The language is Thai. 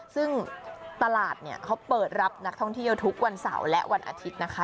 ซึ่งตลาดเนี่ยเขาเปิดรับนักท่องเที่ยวทุกวันเสาร์และวันอาทิตย์นะคะ